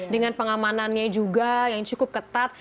dengan pengamanannya juga yang cukup ketat